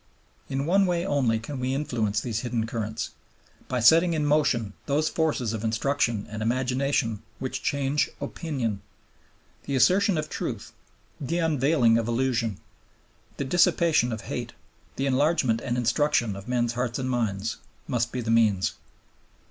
In one way only can we influence these hidden currents, by setting in motion those forces of instruction and imagination which change opinion. The assertion of truth, the unveiling of illusion, the dissipation of hate, the enlargement and instruction of men's hearts and minds, must be the means.